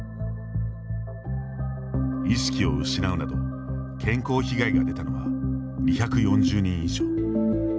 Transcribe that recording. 意識を失うなど健康被害が出たのは２４０人以上。